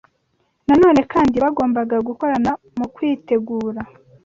Na none kandi bagombaga gukorana mu kwitegura